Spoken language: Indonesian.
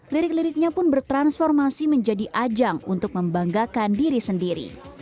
lirik liriknya pun bertransformasi menjadi ajang untuk membanggakan diri sendiri